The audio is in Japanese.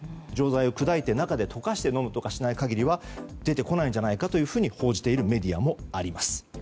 錠剤を砕いて、中で溶かして飲むとかしない限りは出てこないんじゃないかと報じているメディアもあります。